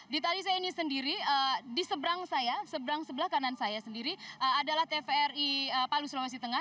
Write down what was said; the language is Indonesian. di tali saya ini sendiri di seberang saya seberang sebelah kanan saya sendiri adalah tvri palu sulawesi tengah